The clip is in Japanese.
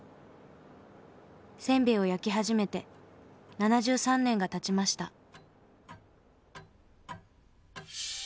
せんべいを焼き始めて７３年がたちました。